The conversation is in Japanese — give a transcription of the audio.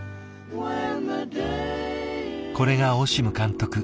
これがオシム監督